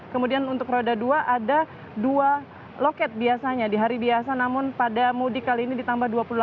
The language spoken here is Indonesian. kemudian untuk roda dua ada dua loket biasanya di hari biasa namun pada mudik kali ini ditambah dua puluh delapan